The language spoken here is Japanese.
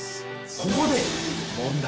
ここで問題。